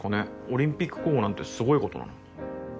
オリンピック候補なんてすごいことなのに。